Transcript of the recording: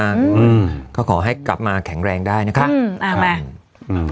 อืมก็ขอให้กลับมาแข็งแรงได้นะคะอืมอ่ามาอืม